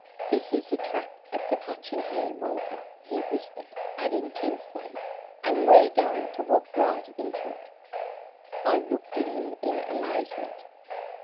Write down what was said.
"This is a trap of the Clutching Hand, Walter," he whispered, adding tensely, "and we're going to walk right into it." I looked at him in amazement.